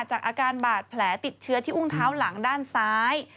จากอาการบาดแผลติดเชื้อที่อุ้งเท้าหลังด้านซ้าย